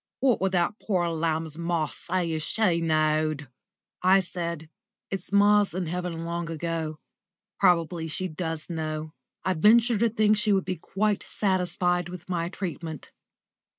What would that poor lamb's ma say if she knowed?" I said: "Its ma's in heaven long ago; probably she does know. I venture to think she would be quite satisfied with my treatment."